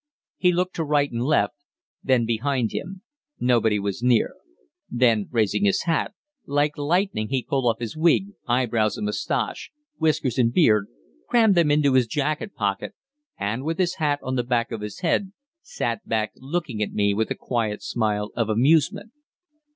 He looked to right and left, then behind him. Nobody was near. Then, raising his hat, like lightning he pulled off his wig, eyebrows and moustache, whiskers and beard, crammed them into his jacket pocket, and, with his hat on the back of his head, sat back looking at me with a quiet smile of amusement.